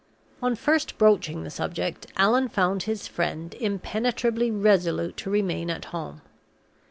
On first broaching the subject, Allan found his friend impenetrably resolute to remain at home.